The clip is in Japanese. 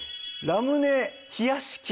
ラムネ冷やし器？